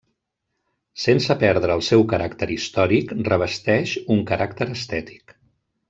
Sense perdre el seu caràcter històric, revesteix un caràcter estètic.